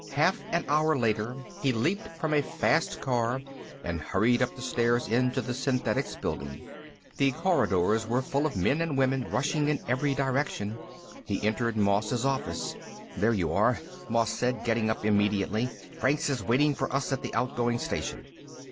Half an hour later, he leaped from a fast car and hurried up the stairs into the Synthetics Building. The corridors were full of men and women rushing in every direction. He entered Moss's office. "There you are," Moss said, getting up immediately. "Franks is waiting for us at the outgoing station."